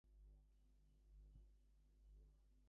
Hanson previously worked at Walt Disney Imagineering.